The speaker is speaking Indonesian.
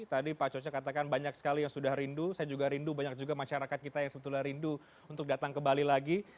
tadi pak coca katakan banyak sekali yang sudah rindu saya juga rindu banyak juga masyarakat kita yang sebetulnya rindu untuk datang ke bali lagi